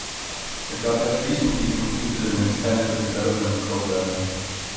The club has recently completed an extensive development programme.